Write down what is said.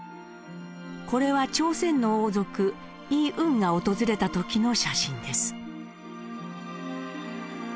これは朝鮮の王族李垠が訪れた時の写真です。